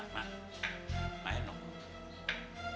nah pak enok